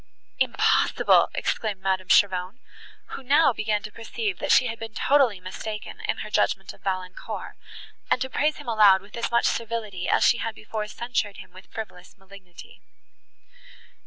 "Impossible!" exclaimed Madame Cheron, who now began to perceive, that she had been totally mistaken in her judgment of Valancourt, and to praise him aloud with as much servility, as she had before censured him with frivolous malignity.